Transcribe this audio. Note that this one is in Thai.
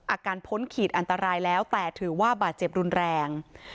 พ้นขีดอันตรายแล้วแต่ถือว่าบาดเจ็บรุนแรง